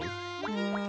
うん。